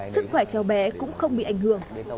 sức khỏe cháu bé cũng không bị ảnh hưởng